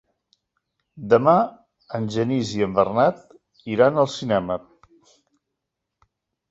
Demà en Genís i en Bernat iran al cinema.